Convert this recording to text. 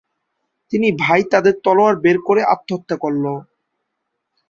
তিনি ভাই তাদের তলোয়ার বের করে আত্মহত্যা করল।